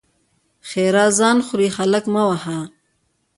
ښېرا: ځان وخورې؛ هلک مه وهه!